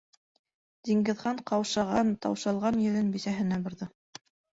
- Диңгеҙхан ҡаушаған, таушалған йөҙөн бисәһенә борҙо.